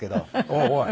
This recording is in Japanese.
おいおい。